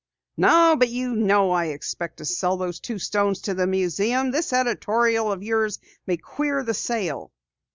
"No, but you know I expect to sell those two stones to the museum. This editorial of yours may queer the sale!"